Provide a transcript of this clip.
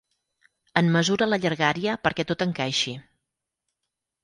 En mesura la llargària perquè tot encaixi.